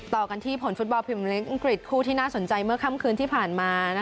ต่อกันที่ผลฟุตบอลพิมพลิกอังกฤษคู่ที่น่าสนใจเมื่อค่ำคืนที่ผ่านมา